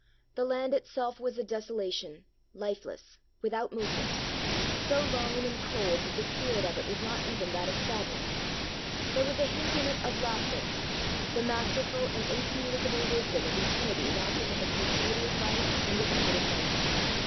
'The land itself was a desolation, lifeless, without movement, so lone and cold that the spirit of it was not even that of sadness. There was a hint in it of laughter the masterful and incommunicable wisdom of eternity laughing at the futility of life and the effort of life.